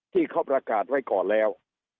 ที่เขาประกาศไว้ก่อนแล้ว